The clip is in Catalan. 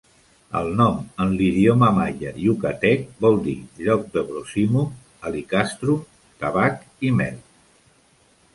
El nom en l'idioma maia Yucatec vol dir "Lloc de brosimum alicastrum, tabac i mel".